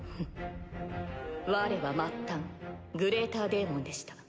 われは末端グレーターデーモンでした。